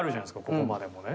ここまでもね。